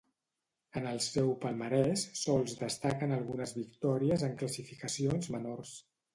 En el seu palmarès sols destaquen algunes victòries en classificacions menors.